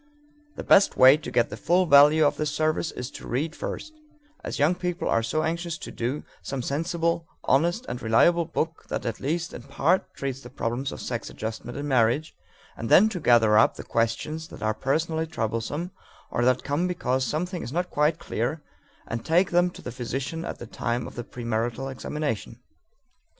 The best way to get the full value of this service is to read first, as young people are so anxious to do, some sensible, honest, and reliable book that at least in part treats the problems of sex adjustment in marriage, and then to gather up the questions that are personally troublesome or that come because something is not quite clear and take them to the physician at the time of the premarital examination.